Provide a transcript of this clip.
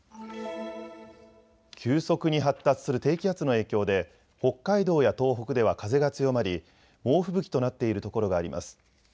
急速に発達する低気圧の影響で北海道や東北では風が強まり猛吹雪となっているところがあります。